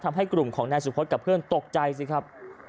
ทำให้กลุ่มของนายสุพธกับเพื่อนตกใจสิครับ